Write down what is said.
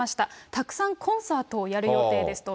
たくさんコンサートをやる予定ですと。